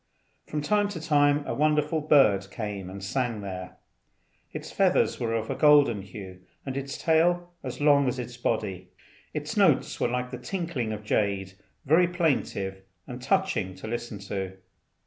From time to time a wonderful bird came and sang there. Its feathers were of a golden hue, and its tail as long as its body. Its notes were like the tinkling of jade, very plaintive and touching to listen to.